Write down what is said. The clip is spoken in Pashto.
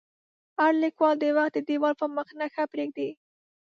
هر لیکوال د وخت د دیوال پر مخ نښه پرېږدي.